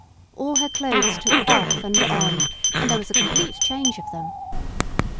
All her clothes took off and on, and there was a complete change of them.